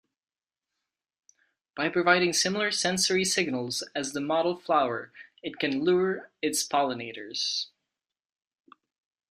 By providing similar sensory signals as the model flower, it can lure its pollinators.